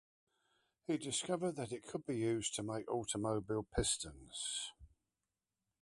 He discovered that it could be used to make automobile pistons.